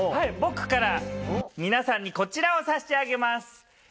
僕から皆さんにこちらを差し上げます。